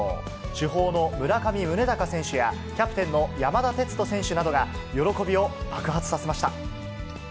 主砲の村上宗隆選手や、キャプテンの山田哲人選手などが、喜びを爆発させました。